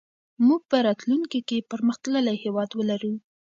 موږ به راتلونکي کې پرمختللی هېواد ولرو.